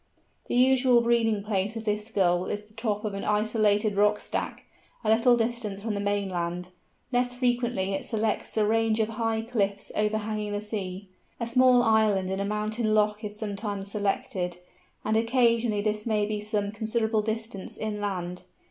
The usual breeding place of this Gull is the top of an isolated rock stack, a little distance from the mainland; less frequently it selects a range of high cliffs overhanging the sea. A small island in a mountain loch is sometimes selected, and occasionally this may be some considerable distance inland.